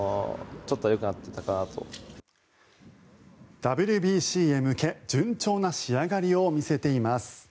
ＷＢＣへ向け順調な仕上がりを見せています。